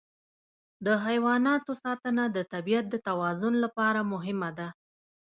د حیواناتو ساتنه د طبیعت د توازن لپاره مهمه ده.